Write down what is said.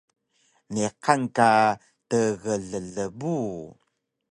niqan ka tgllbu